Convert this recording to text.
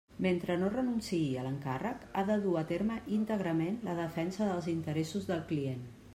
Mentre no renunciï a l'encàrrec, ha de dur a terme íntegrament la defensa dels interessos del client.